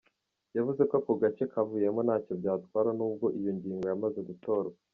Yavuze ko ako gace kavuyemo ntacyo byatwara n’ubwo iyo ngingo yamaze gutorwa.